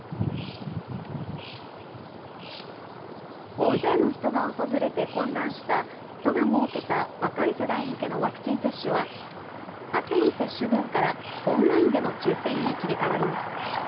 大勢の人が訪れて混乱した都が設けた若い世代向けのワクチン接種はあすの接種分からオンラインでの抽せんに切り替わります。